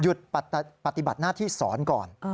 ปฏิบัติหน้าที่สอนก่อน